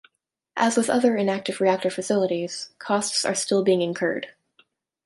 As with other inactive reactor facilities, costs are still being incurred.